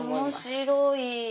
面白い！